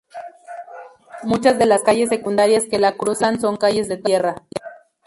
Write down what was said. Muchas de las calles secundarias que la cruzan son calles de tierra.